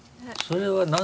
それは何？